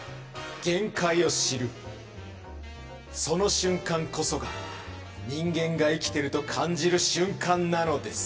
限界を知るその瞬間こそが人間が生きてると感じる瞬間なのです。